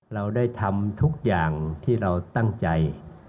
เราได้ทำทุกอย่างที่เราตั้งใจ